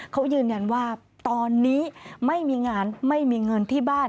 เขายืนยันว่าตอนนี้ไม่มีงานไม่มีเงินที่บ้าน